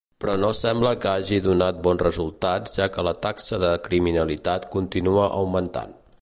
Però no sembla que hagi donat bons resultats ja que la taxa de criminalitat continua augmentant.